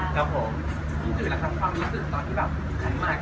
ครับผมรู้สึกแล้วครับความรู้สึกตอนที่แบบมาใกล้มาแล้วอ่ะ